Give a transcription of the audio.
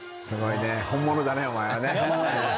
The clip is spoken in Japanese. すごいね本物だねお前は。